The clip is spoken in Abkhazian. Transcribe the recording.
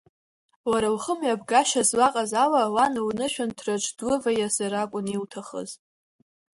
Лара лхымҩаԥгашьа злаҟаз ала, лан лнышәынҭраҿ длываиазар акәын илҭахыз.